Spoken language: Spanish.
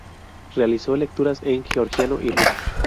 Realizó lecturas en georgiano y ruso.